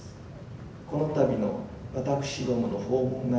このたびの私どもの訪問が、